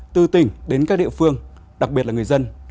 từ tỉnh đến các địa phương đặc biệt là người dân